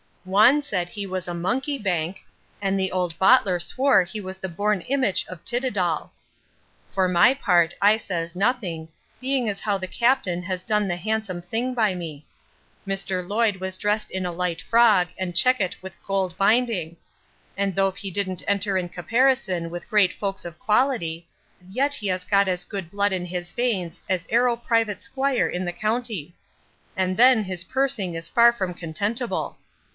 Wan said he was a monkey bank; and the ould bottler swore he was the born imich of Titidall. For my part, I says nothing, being as how the captain has done the handsome thing by me. Mr Loyd was dressed in a lite frog, and checket with gould binding; and thof he don't enter in caparison with great folks of quality, yet he has got as good blood in his veins as arrow privat 'squire in the county; and then his pursing is far from contentible.